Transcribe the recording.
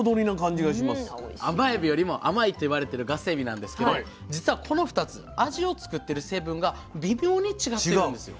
甘エビよりも甘いといわれてるガスエビなんですけど実はこの２つ味を作ってる成分が微妙に違ってるんですよ。